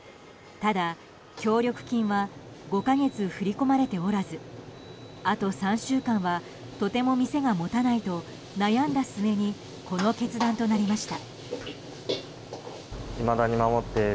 ただ、協力金は５か月振り込まれておらずあと３週間はとても店が持たないと悩んだ末にこの決断となりました。